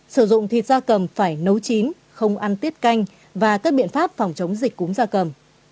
sử dụng thịt da cầm phải nấu chín không ăn tiết canh và các biện pháp phòng chống dịch cúm gia cầm